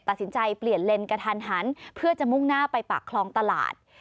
ตัดสินใจเปลี่ยนเลนกระทันหันเพื่อจะมุ่งหน้าไปปากคลองตลาด